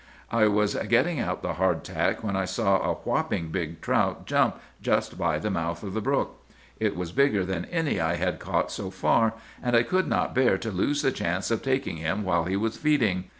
"'I was getting out the hardtack, when I saw a whopping big trout jump, just by the mouth of the brook. It was bigger than any I had caught so far, and I could not bear to lose the chance of taking him while he was feeding.